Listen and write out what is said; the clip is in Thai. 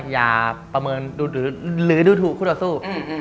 อย่าประเมินดูดหรือรือลื้ยดูถูกคุ้นต่อสู้